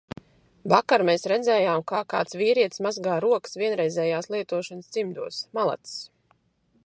Vakar mēs redzējām, kā kāds vīrietis mazgā rokas vienreizējās lietošanas cimdos. Malacis.